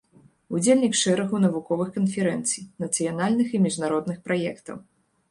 Удзельнік шэрагу навуковых канферэнцый, нацыянальных і міжнародных праектаў.